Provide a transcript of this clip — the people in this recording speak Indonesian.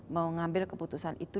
mau ngambil keputusan itu